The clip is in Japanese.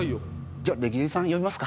じゃあレキデリさん呼びますか。